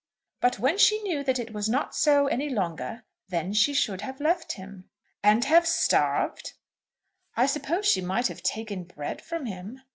"But when she knew that it was not so any longer, then she should have left him." "And have starved?" "I suppose she might have taken bread from him."